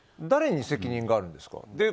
誰に責任があるんですか？